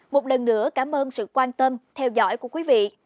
một lần nữa cảm ơn sự quan tâm theo dõi của quý vị